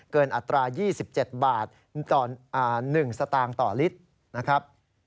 เกินอัตรายี่สิบเจ็ดบาท๑สตางค์ต่อลิตรนะครับ